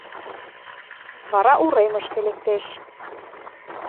Вара уремышке лектеш